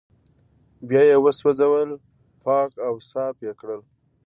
بيا يې وسوځول پاک او صاف يې کړل